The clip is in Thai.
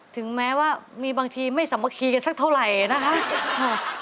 ถึงแม้ว่ามีบางทีไม่สามัคคีกันสักเท่าไหร่นะคะ